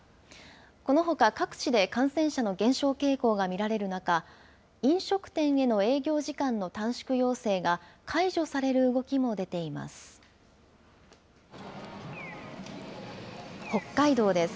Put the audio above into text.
このほか各地で感染者の減少傾向が見られる中、飲食店への営業時間の短縮要請が解除される動きも出ています。